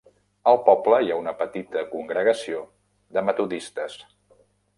Al poble hi ha una petita congregació de metodistes.